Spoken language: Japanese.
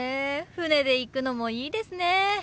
船で行くのもいいですね。